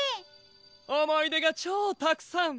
おもいでがチョウたくさん！